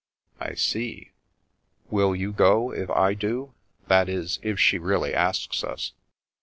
" I see." " Will you go if I do — that is, if she really asks us?"